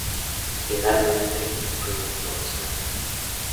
Finalmente, el proyecto se ancla.